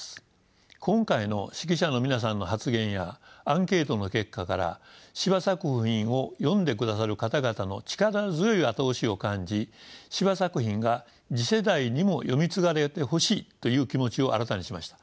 今回の識者の皆さんの発言やアンケートの結果から司馬作品を読んでくださる方々の力強い後押しを感じ司馬作品が次世代にも読み継がれてほしいという気持ちを新たにしました。